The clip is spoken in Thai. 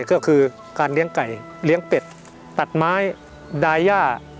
ก็คือการเลี้ยงไก่เลี้ยงเป็ดตัดไม้ดาย่า